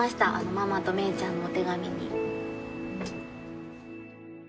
ママとめいちゃんのお手紙に。